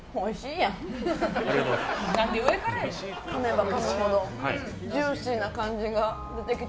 かめばかむほどジューシーな感じが出てきて。